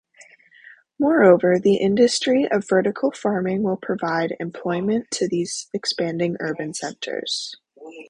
Moreover, the industry of vertical farming will provide employment to these expanding urban centers.